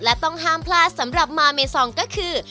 และต้องห้ามพลาดสำหรับมาเมซองก็คือ